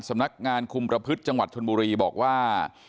สำนักงานคุมประพฤติจังหวัดชนบุรีบอกว่า